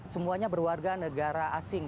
semuanya berwarga negara asing